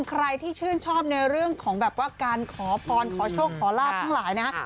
ใครที่ชื่นชอบในเรื่องของแบบว่าการขอพรขอโชคขอลาบทั้งหลายนะ